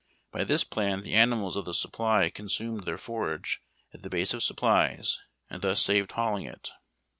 By this plan the animals of the supply consumed their forage at the base of supplies, and thus saved hauling it.